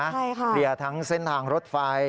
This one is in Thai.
ใช่ค่ะเคลียร์ทั้งเส้นทางรถไฟ